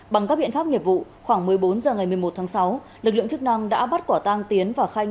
bằng các biện pháp nghiệp vụ khoảng một mươi bốn h ngày một mươi một tháng sáu lực lượng chức năng đã bắt quả tang tiến và khanh